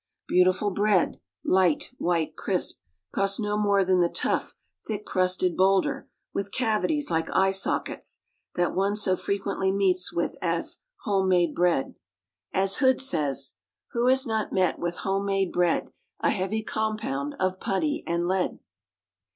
Beautiful bread light, white, crisp costs no more than the tough, thick crusted boulder, with cavities like eye sockets, that one so frequently meets with as home made bread. As Hood says: "Who has not met with home made bread, A heavy compound of putty and lead?"